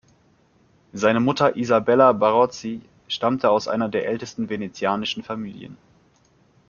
Seine Mutter Isabella Barozzi stammte aus einer der ältesten venezianischen Familien.